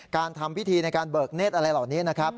การทำพิธีในการเบิกเน็ตอะไรเหล่านี้